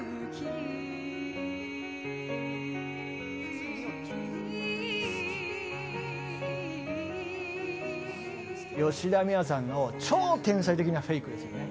第４位清塚：吉田美和さんの超天才的なフェイクですよね。